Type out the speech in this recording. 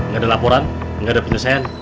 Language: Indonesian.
gak ada laporan gak ada penyesuaian